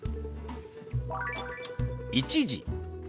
「１時」。